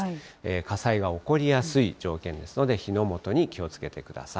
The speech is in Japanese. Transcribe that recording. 火災が起こりやすい条件ですので、火の元に気をつけてください。